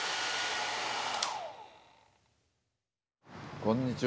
こんにちは。